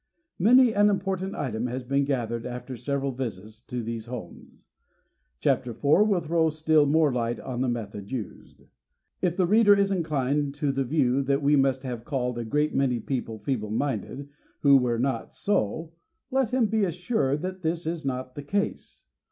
Many an important item has been gathered after several visits to these homes. Chap ter IV will throw still more light on the method used. If the reader is inclined to the view that we must have called a great many people feeble r minded who were not so, let him be assured that this is not the case.